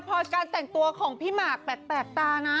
พอการแต่งตัวของพี่หมากแปลกตานะ